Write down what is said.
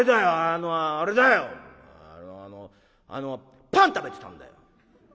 あのあのあのパン食べてたんだよ！」。